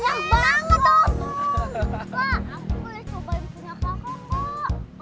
mbak aku boleh coba ini punya kakak mbak